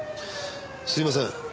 すみません。